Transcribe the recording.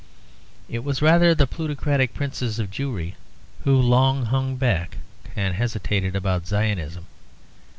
It was rather the plutocratic princes of Jewry who long hung back and hesitated about Zionism.